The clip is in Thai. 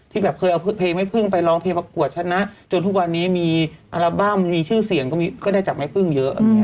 แบบเคยเอาเพลงแม่พึ่งไปร้องเพลงประกวดชนะจนทุกวันนี้มีอัลบั้มมีชื่อเสียงก็ได้จากแม่พึ่งเยอะ